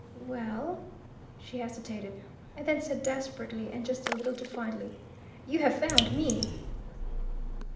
"Well," she hesitated, and then said desperately and just a little defiantly, "you have found me!"